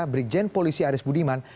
brigjen polisi aris budiman